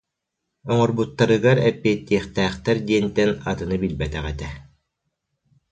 Оҥорбуттарыгар эппиэттиэхтээхтэр диэнтэн атыны билбэтэх этэ